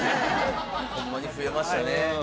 ホンマに増えましたね。